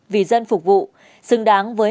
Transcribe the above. vì dân phục vụ xứng đáng với